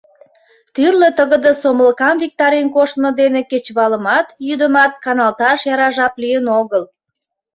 Тӱрлӧ тыгыде сомылкам виктарен коштмо дене кечывалымат, йӱдымат каналташ яра жап лийын огыл.